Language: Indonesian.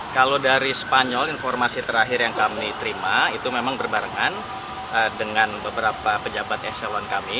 kalau dari spanyol informasi terakhir yang kami terima itu memang berbarengan dengan beberapa pejabat eselon kami